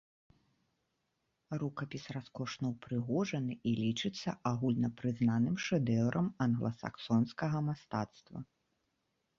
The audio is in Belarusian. Рукапіс раскошна ўпрыгожаны і лічыцца агульнапрызнаным шэдэўрам англасаксонскага мастацтва.